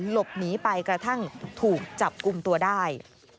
หลบหนีไปกระทั่งถูกจับกลุ่มตัวได้